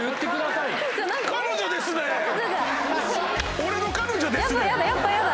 ⁉俺の彼女ですねん。